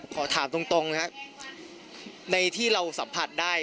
ขอถามตรงนะครับในที่เราสัมผัสได้